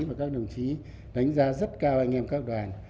mà các đồng chí đánh giá rất cao anh em các đoàn